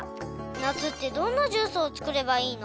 「夏ってどんなジュースを作ればいいの？」